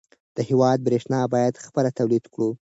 د هېواد برېښنا باید خپله تولید کړو.